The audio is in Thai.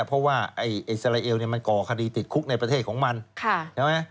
เพราะว่าอิสราเอลมันก่อคดีติดคุกในประเทศของมันใช่ไหม